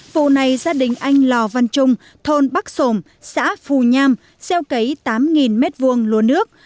vụ này gia đình anh lò văn trung thôn bắc sồm xã phù nham gieo cấy tám m hai lúa nước